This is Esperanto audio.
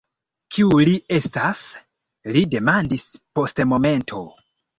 Kiu li estas? li demandis post momento.